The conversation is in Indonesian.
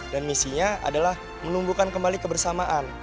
dan misinya adalah menumbuhkan kembali kebersamaan